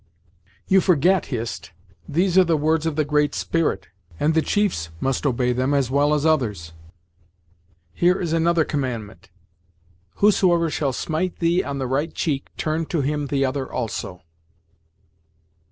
"You forget, Hist, these are the words of the Great Spirit, and the chiefs must obey them as well as others. Here is another commandment 'Whosoever shall smite thee on the right cheek, turn to him the other also.'"